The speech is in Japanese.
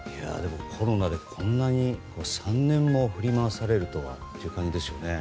コロナでこんなに３年も振り回されるとはという感じですね。